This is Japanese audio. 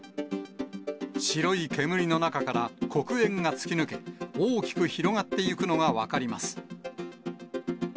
白い煙の中から黒煙が突き抜け、大きく広がっていくのが分かります。